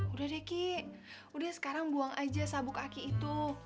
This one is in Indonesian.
udah deh ki udah sekarang buang aja sabuk aki itu